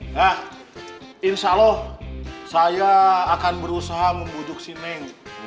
nah insya allah saya akan berusaha membujuk si neng